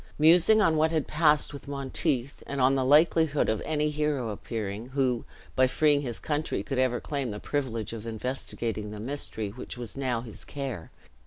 Musing on what had passed with Monteith, and on the likelihood of any hero appearing, who, by freeing his country, could ever claim the privilege of investigating the mystery which was now his care.